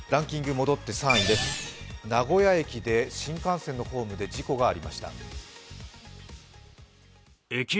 戻って３位です名古屋駅で新幹線のホームで事故がありました。